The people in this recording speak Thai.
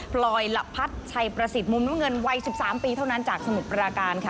พลอยละพัดชัยประสิทธิ์มุมน้ำเงินวัย๑๓ปีเท่านั้นจากสมุทรปราการค่ะ